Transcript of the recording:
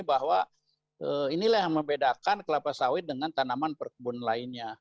bahwa inilah yang membedakan kelapa sawit dengan tanaman perkebun lainnya